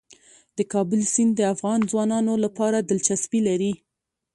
د کابل سیند د افغان ځوانانو لپاره دلچسپي لري.